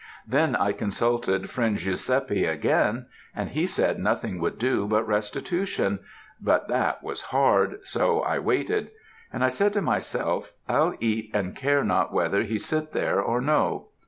Then I consulted friend Guiseppe again, and he said nothing would do but restitution but that was hard, so I waited; and I said to myself, I'll eat and care not whether he sit there or no.